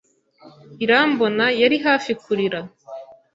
Irambona yari hafi kurira.